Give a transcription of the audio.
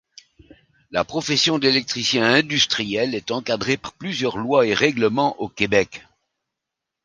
La profession d'électricien industriel est encadrée par plusieurs lois et règlements au Québec.